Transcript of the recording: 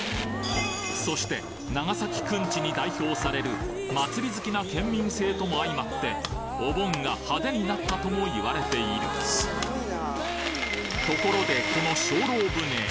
そして長崎くんちに代表される祭り好きな県民性とも相まってお盆が派手になったとも言われているところでこの精霊船